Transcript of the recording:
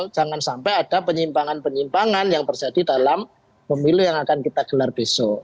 jangan sampai ada penyimpangan penyimpangan yang terjadi dalam pemilu yang akan kita gelar besok